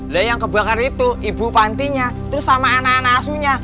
lah yang kebakar itu ibu pantinya terus sama anak anak asunya